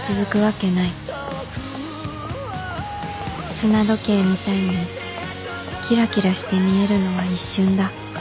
砂時計みたいにキラキラして見えるのは一瞬だ